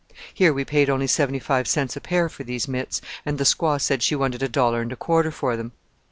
Here we paid only seventy five cents a pair for these mitts, and the squaw said she wanted a dollar and a quarter for them."